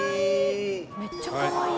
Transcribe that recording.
めっちゃかわいい。